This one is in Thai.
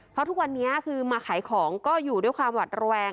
เพราะทุกวันนี้คือมาขายของก็อยู่ด้วยความหวัดระแวง